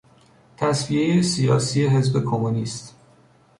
تصفیهی سیاسی حزب کمونیست